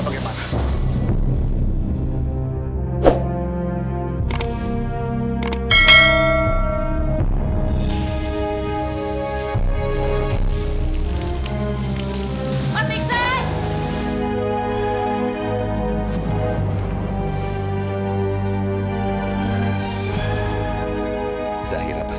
biar saya antar pak